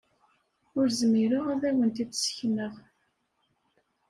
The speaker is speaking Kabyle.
Ur zmireɣ ad wen-t-id-ssekneɣ.